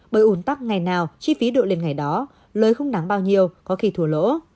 bởi ủn tắc ngày nào chi phí đội lên ngày đó lợi không đáng bao nhiêu có khi thua lỗ